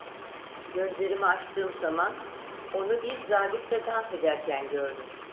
Gözlerimi açtığım zaman onu bir zabitle dans ederken gördüm.